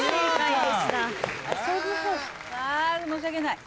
あ申し訳ない。